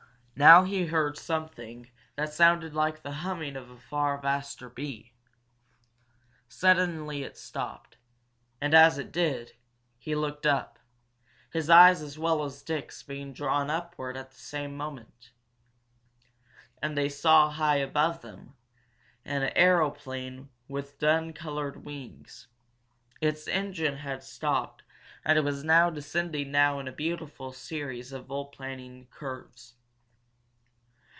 Now he heard something that sounded like the humming of a far vaster bee. Suddenly it stopped, and, as it did, he looked up, his eyes as well as Dick's being drawn upward at the same moment. And they saw, high above them, an aeroplane with dun colored wings. Its engine had stopped and it was descending now in a beautiful series of volplaning curves.